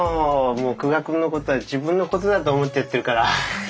もう久我君のことは自分のことだと思っちゃってるから。